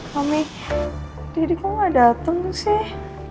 mami daddy kok nggak datang sih